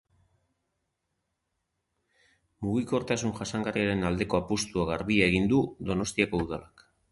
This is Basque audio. Mugikortasun jasangarriaren aldeko apustu garbia egiten du Donostiako Udalak.